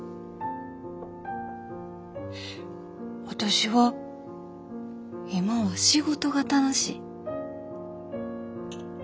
私は今は仕事が楽しい。